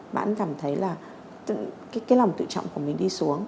bạn cảm thấy là cái lòng tự trọng của mình đi xuống